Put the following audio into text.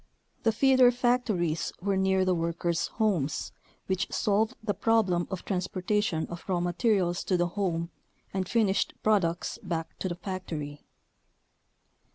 The feeder factories were near the workers' homes, which solved the problem of transportation of raw materials to the home and finished products back to the factory.